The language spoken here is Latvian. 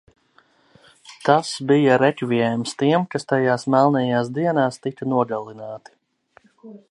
Tas bija rekviēms tiem, kas tajās melnajās dienās tika nogalināti.